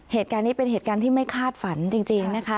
เหตุการณ์นี้เป็นเหตุการณ์ที่ไม่คาดฝันจริงนะคะ